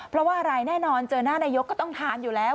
เพราะว่าอะไรแน่นอนเจอหน้านายกก็ต้องทานอยู่แล้ว